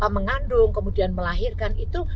mengandung kemudian melahirkan itu